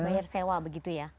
bayar sewa begitu ya